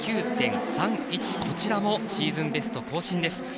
こちらもシーズンベスト更新。